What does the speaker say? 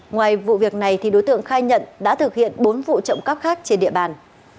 ngoài vụ việc này thì đối tượng khai nhận đã thực hiện bốn vụ trộm cắp khác trên địa bàn